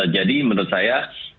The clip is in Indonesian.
jadi menurut saya